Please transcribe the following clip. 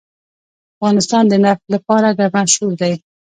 افغانستان د نفت لپاره مشهور دی.